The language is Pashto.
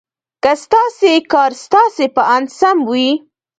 که ستاسې کار ستاسې په اند سم وي.